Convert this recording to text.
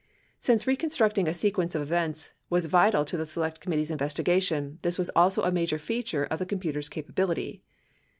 Since reconstructing a sequence of events was vital to the Select Committee's investigation, this was also a major feature of the com puter's capability.